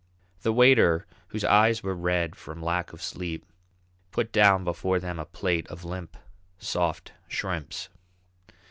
The waiter, whose eyes were red from lack of sleep, put down before them a plate of limp, soft shrimps.